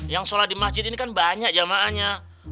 yang sholat di masjid ini kan banyak jamaahnya